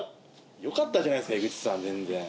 良かったじゃないですか江口さん全然。